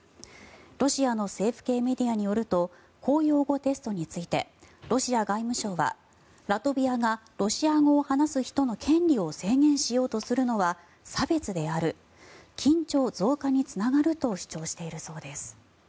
ロシアの政府系メディアによると公用語テストについてロシア外務省はラトビアがロシア語を話す人の権利を制限しようとするのは差別である緊張増加につながると主張しているそうです。